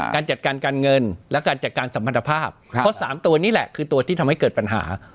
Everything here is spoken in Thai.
การจัดการการเงินและการจัดการสัมพันธภาพเพราะ๓ตัวนี่แหละคือตัวที่ทำให้เกิดปัญหา